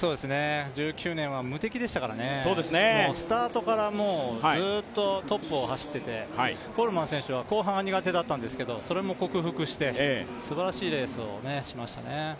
１９年は無敵でしたからねスタートからずっとトップを走っていてコールマン選手は後半、苦手だったんですけどそれも克服して、すばらしいレースをしましたね。